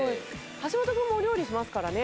橋本君もお料理しますからね。